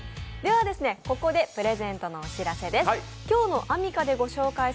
ここでプレゼントのお知らせです。